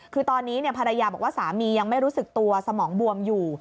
คือตอนนี้ภรรยาบอกว่าสามียังไม่รู้สึกตัวสมองบวมอยู่